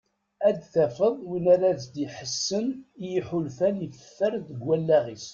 Ad taf d win ara as-d-iḥessen i yiḥulfan i teffer deg wallaɣ-is.